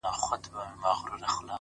پاس توتكۍ راپسي مه ږغـوه؛